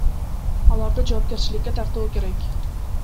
Аларды жоопкерчиликке тартуу керек.